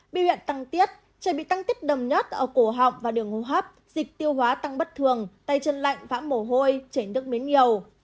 biểu hiện tăng tiết trẻ bị tăng tiết đầm nhất ở cổ họng và đường hô hấp dịch tiêu hóa tăng bất thường tay chân lạnh phãm mổ hôi chảy nước miếng nhiều